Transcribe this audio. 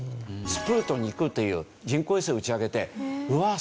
スプートニクという人工衛星を打ち上げてうわあ